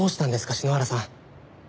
篠原さん。